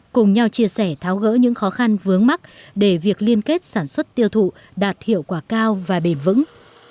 cùng nhau chia sẻ tháo gỡ những khó khăn vướng mắt để việc liên kết sản xuất tiêu thụ đạt hiệu quả cao và bền vững